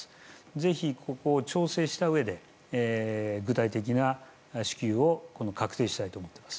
ぜひここを調整したうえで具体的な支給を確定したいと思います。